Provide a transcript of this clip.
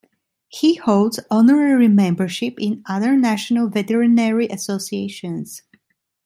He holds honorary membership in other national veterinary associations.